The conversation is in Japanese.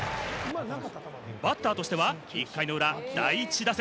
バッターとしては１回の裏の第１打席。